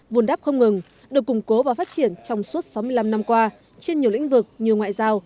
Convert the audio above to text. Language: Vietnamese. vùn đáp không ngừng được củng cố và phát triển trong suốt sáu mươi năm năm qua trên nhiều lĩnh vực như ngoại giao